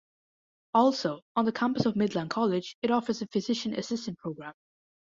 Also, on the campus of Midland College, it offers a physician assistant program.